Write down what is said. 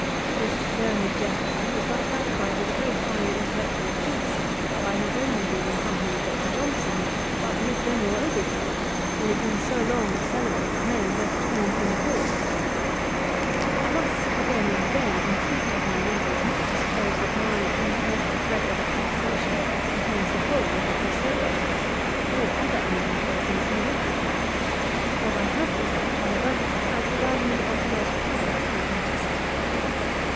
This learned gentleman was thus gratified with a very high intellectual feast, by not only being in company with Dr. Johnson, but with General Oglethorpe, who had been so long a celebrated name both at home and abroad. I must, again and again, intreat of my readers not to suppose that my imperfect record of conversation contains the whole of what was said by Johnson, or other eminent persons who lived with him. What I have preserved, however, has the value of the most perfect authenticity.